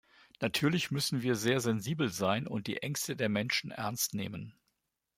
Natürlich müssen wir sehr sensibel sein und die Ängste der Menschen ernst nehmen.